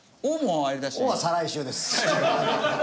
「を」は再来週です。